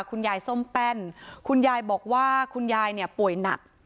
ส้มแป้นคุณยายบอกว่าคุณยายเนี่ยป่วยหนัก